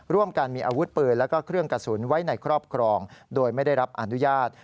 ร่วมกันมีอาวุธปืนและเครื่องกระสุนไว้ในครอบครองโดยไม่ได้รับอนุญาต